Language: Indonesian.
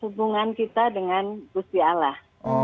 hubungan kita dengan gusti allah